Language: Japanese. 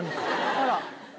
あら。